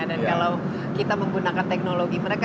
dan kalau kita menggunakan teknologi mereka